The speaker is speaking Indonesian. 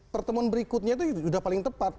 pertemuan berikutnya itu sudah paling tepat